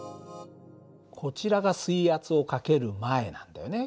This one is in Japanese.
こちらが水圧をかける前なんだよね。